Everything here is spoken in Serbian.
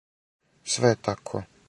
Све је тако.